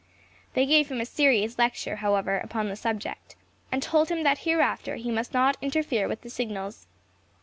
They gave him a serious lecture, however, upon the subject, and told him that hereafter he must not interfere with the signals.